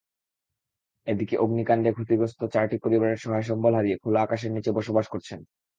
এদিকে অগ্নিকাণ্ডে ক্ষতিগস্ত চারটি পরিবার সহায় সম্বল হারিয়ে খোলা আকাশের নিচে বসবাস করছেন।